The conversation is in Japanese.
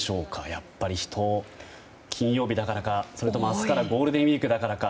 やっぱり人、金曜日だからかそれとも明日からゴールデンウィークだからか。